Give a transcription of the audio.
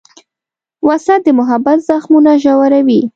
وسله د محبت زخمونه ژوروي